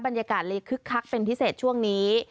บรรยากาศเลยคึกคักเป็นพิเศษช่วงนี้